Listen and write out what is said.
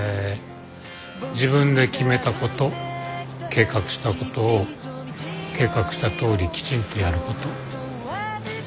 自分で決めたこと計画したことを計画したとおりきちんとやること。